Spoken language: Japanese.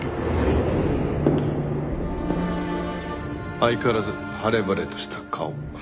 相変わらず晴れ晴れとした顔。